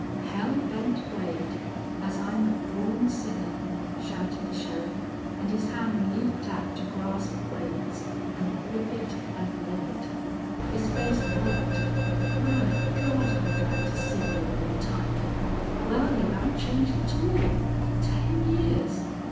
"Hell Bent Wade, as I'm a born sinner!" shouted the sheriff, and his hand leaped out to grasp Wade's and grip it and wring it. His face worked. "My Gawd! I'm glad to see you, old timer! Wal, you haven't changed at all!... Ten years!